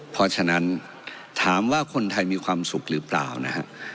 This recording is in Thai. เพราะฉะนั้นถามว่าคนไทยมีความสุขหรือเปล่านะฮะ